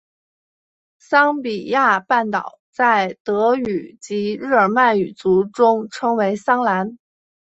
桑比亚半岛在德语及日耳曼语族中称为桑兰。